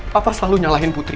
papa selalu nyalahin putri